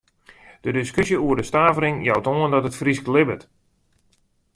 De diskusje oer de stavering jout oan dat it Frysk libbet.